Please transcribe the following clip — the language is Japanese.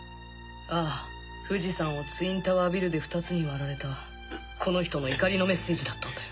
ああ富士山をツインタワービルで２つに割られたこの人の怒りのメッセージだったんだよ。